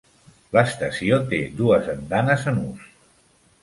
L'estació té dos andanes en ús.